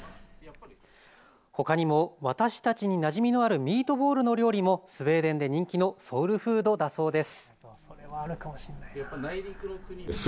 ほかにも私たちになじみのあるミートボールの料理もスウェーデンで人気のソウルフードだそうです。